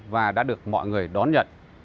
và đã được mọi người đón nhận